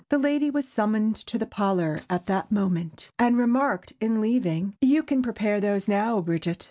The lady was summoned to the parlor at that moment, and remarked in leaving—"You can prepare those now, Bridget."